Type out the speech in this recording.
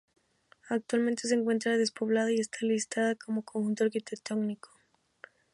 Actualmente se encuentra despoblada y está listada como conjunto arquitectónico.